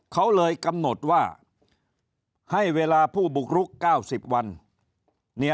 เขาเลยกำหนดว่าให้เวลาผู้บุกรุก๙๐วัน